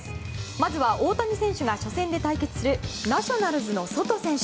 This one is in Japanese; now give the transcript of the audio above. まずは、大谷選手が初戦で対決するナショナルズのソト選手。